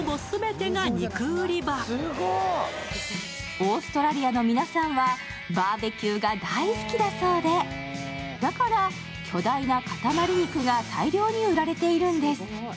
オーストラリアの皆さんはバーベキューが大好きだそうでだから巨大な塊肉が大量に売られているんです。